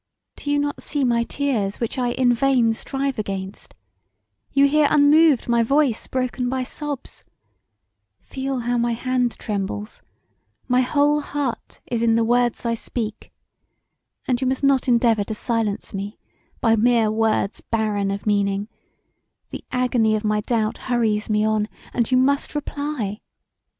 Do you not see my tears which I in vain strive against You hear unmoved my voice broken by sobs Feel how my hand trembles: my whole heart is in the words I speak and you must not endeavour to silence me by mere words barren of meaning: the agony of my doubt hurries me on, and you must reply.